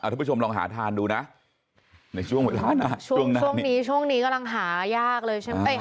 ทุกผู้ชมลองหาทานดูนะในช่วงเวลาหน้าช่วงนี้กำลังหายากเลยใช่ไหม